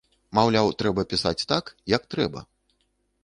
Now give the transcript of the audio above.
Маўляў, трэба пісаць так, як трэба.